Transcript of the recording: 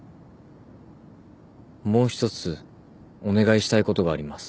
もう一つお願いしたいことがあります。